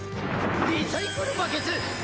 リサイクルバケツ大放出！